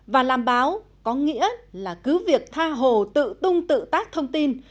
và làm báo có nghĩa là cứ việc tha hồ tự tung tự tác thông tin